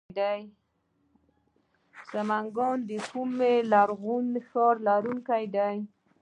سمنګان د کوم لرغوني ښار لرونکی دی؟